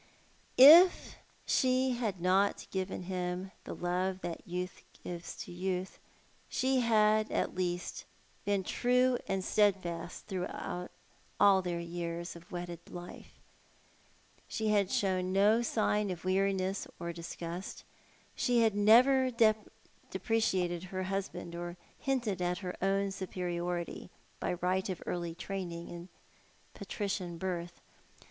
If she had not given him the love that youth gives to youth, she had at east been true and steadfast through all their years of wedded Jite. hhe liad sliown no sign of M eariness or disgust, she had rever depreciated her husband or hinted at her own superiority, by right of early training and patrician birth.